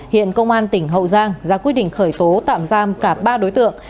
hiện công an tỉnh hậu giang ra quyết định khởi tố tạm giam cả ba đối tượng